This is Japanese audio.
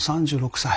３６歳。